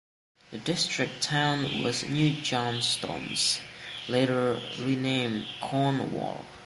The district town was New Johnstown, later renamed Cornwall.